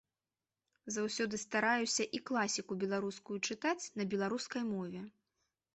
Заўсёды стараюся і класіку беларускую чытаць на беларускай мове.